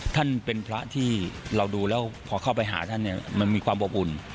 ท่านเป็นพระที่เราดูแล้วพอเข้าไปหาท่านเนี่ยมันมีความอบอุ่น